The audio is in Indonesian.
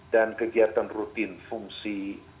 dan kegiatan rutin fungsi